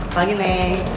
selamat pagi nek